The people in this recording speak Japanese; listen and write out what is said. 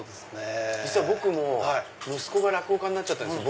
実は僕も息子が落語家になったんです